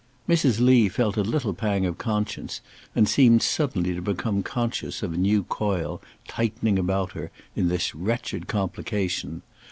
Mrs. Lee felt a little pang of conscience, and seemed suddenly to become conscious of a new coil, tightening about her, in this wretched complication.